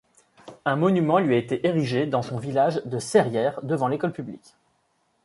Un monument lui a été érigé dans son village de Serrières, devant l’école publique.